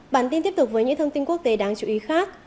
bản tin tiếp tục với những thông tin quốc tế đáng chú ý khác